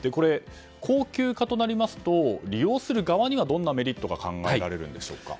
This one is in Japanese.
恒久化となりますと利用する側にはどんなメリットが考えられるんでしょうか。